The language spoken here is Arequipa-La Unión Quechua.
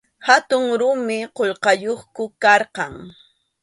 Hatun rumi qullqayuqku karqan.